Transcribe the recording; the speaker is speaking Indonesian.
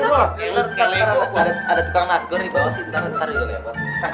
ntar ada tukang nasgon di bawah sih ntar liat